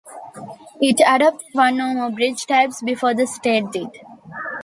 It adopted one or more bridge types before the state did.